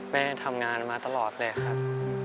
แม่ทำงานมาตลอดเลยครับ